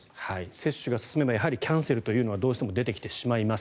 接種が進めばキャンセルというのはどうしても出てきてしまいます。